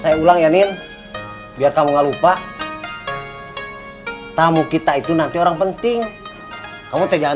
saya ulang ya nien biar kamu nggak lupa tamu kita itu nanti orang penting kamu tegaan